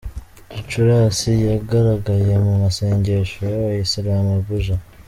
Gicurasi: Yagaragaye mu masengesho y’ abayisilamu Abuja.